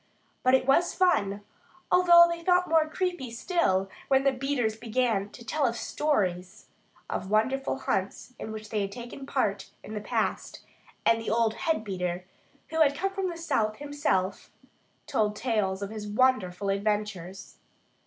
But it was fun, although they felt more creepy still when the beaters began to tell stories of wonderful hunts in which they had taken part in the past; and the old head beater, who had come from the south, himself, told tales of his wonderful adventures.